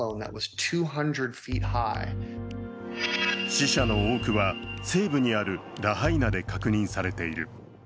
死者の多くは西部にあるラハイナで確認されている。